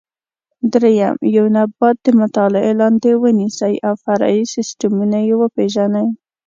درېیم: یو نبات د مطالعې لاندې ونیسئ او فرعي سیسټمونه یې وپېژنئ.